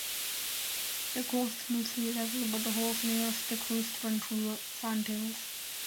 The course is mostly level, but the holes nearest the coast run through sandhills.